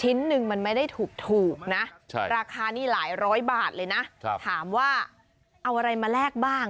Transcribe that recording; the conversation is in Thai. ชิ้นหนึ่งมันไม่ได้ถูกนะราคานี่หลายร้อยบาทเลยนะถามว่าเอาอะไรมาแลกบ้าง